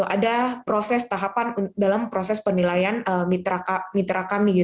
ada proses tahapan dalam proses penilaian mitra kami